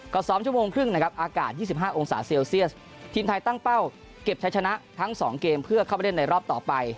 ก็ซ้อมชั่วโมงครึ่งนะครับอากาศ๒๕องศาเซลเซียสทีมไทยตั้งเป้าเก็บใช้ชนะทั้งสองเกมเพื่อเข้าไปเล่นในรอบต่อไป